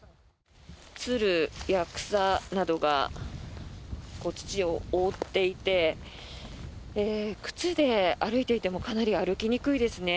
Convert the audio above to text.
つるや草などが土を覆っていて靴で歩いていてもかなり歩きにくいですね。